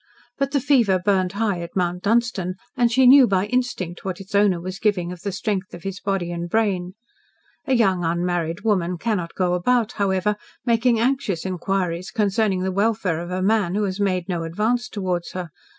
But the fever burned high at Mount Dunstan, and she knew by instinct what its owner was giving of the strength of his body and brain. A young, unmarried woman cannot go about, however, making anxious inquiries concerning the welfare of a man who has made no advance towards her.